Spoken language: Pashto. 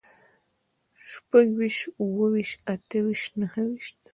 شپږويشت، اووهويشت، اتهويشت، نههويشت